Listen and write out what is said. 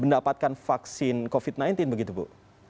mendapatkan vaksin covid sembilan belas begitu bu